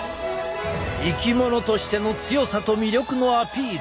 生き物としての強さと魅力のアピール。